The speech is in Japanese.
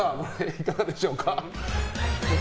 いかがでしょうか。